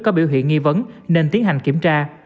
có biểu hiện nghi vấn nên tiến hành kiểm tra